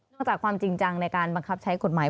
จากความจริงจังในการบังคับใช้กฎหมาย